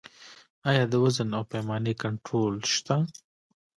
آیا د وزن او پیمانې کنټرول شته؟